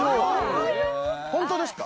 本当ですか？